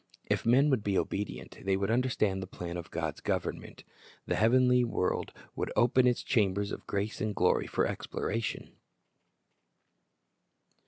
If men would be obedient, they would understand the plan of God's govern ment. The heavenly world would open its chambers of grace and glory for exploration.